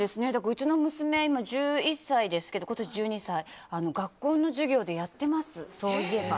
うちの娘、今１１歳で今年１２歳、学校の授業でやってます、そういえば。